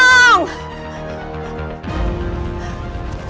masih pah mandatory